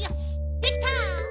できた！